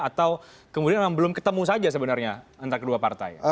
atau kemudian memang belum ketemu saja sebenarnya antara kedua partai